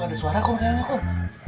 tuh ada suara kok menyalah um